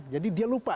jadi dia lupa